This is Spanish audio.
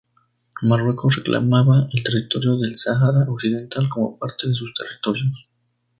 Marruecos reclamaba el territorio del Sahara Occidental como parte de sus territorios.